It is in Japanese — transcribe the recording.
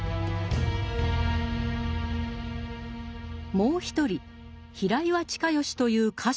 もう一人平岩親吉という家臣が登場する。